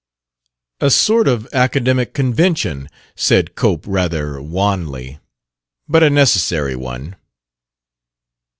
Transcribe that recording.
"A sort of academic convention," said Cope, rather wanly; "but a necessary one."